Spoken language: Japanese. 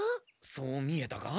そう見えたか？